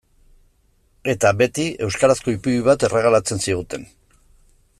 Eta, beti, euskarazko ipuin bat erregalatzen ziguten.